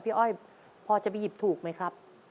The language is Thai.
อ้อยพอจะไปหยิบถูกไหมครับ